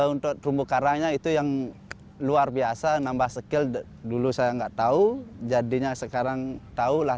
untuk rumput karangnya itu yang luar biasa nambah skill dulu saya enggak tahu jadinya sekarang tahulah